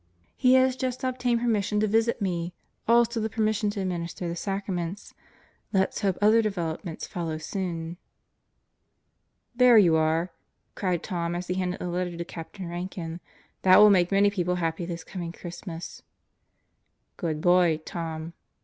He has just obtained permission to visit me, also the permission to administer the sacra ments. Let's hope other developments follow soon. ... "There you are!" cried Tom as he handed the letter to Captain Rankin. "That will make many people happy this coming Christmas." "Good boy, Tom."